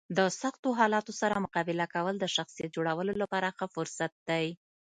د سختو حالاتو سره مقابله کول د شخصیت جوړولو لپاره ښه فرصت دی.